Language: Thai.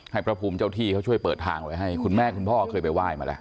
พระภูมิเจ้าที่เขาช่วยเปิดทางไว้ให้คุณแม่คุณพ่อเคยไปไหว้มาแล้ว